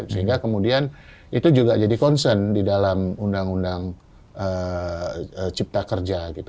sehingga kemudian itu juga jadi concern di dalam undang undang cipta kerja gitu